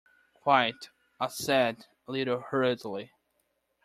"Quite," I said, a little hurriedly.